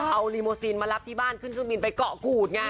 เอารีโมซีนมารับที่บ้านขึ้นเครื่องบินไปเกาะกูดไง